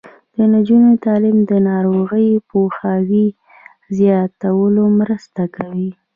د نجونو تعلیم د ناروغیو پوهاوي زیاتولو مرسته کوي.